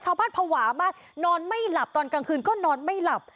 ภาวะมากนอนไม่หลับตอนกลางคืนก็นอนไม่หลับ